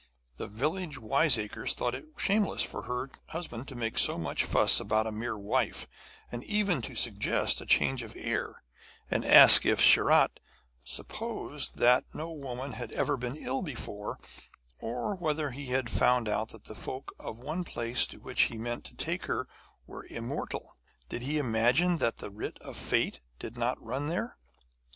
The village wiseacres thought it shameless for her husband to make so much fuss about a mere wife and even to suggest a change of air, and asked if Sharat supposed that no woman had ever been ill before, or whether he had found out that the folk of the place to which he meant to take her were immortal. Did he imagine that the writ of Fate did not run there?